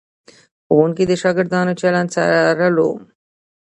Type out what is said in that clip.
ښوونکي د شاګردانو چلند څارلو.